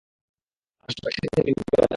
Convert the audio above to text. আসো, একসাথে ড্রিংক করা যাক।